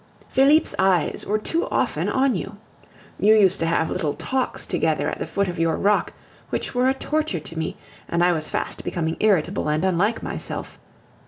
Felipe's eyes were too often on you. You used to have little talks together at the foot of your rock, which were a torture to me; and I was fast becoming irritable and unlike myself.